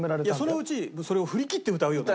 そのうちそれを振りきって歌うように